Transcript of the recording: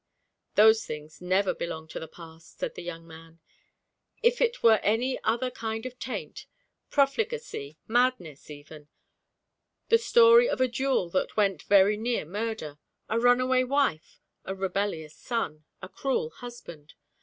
'Those things never belong to the past,' said the young man. 'If it were any other kind of taint profligacy madness, even the story of a duel that went very near murder a runaway wife a rebellious son a cruel husband.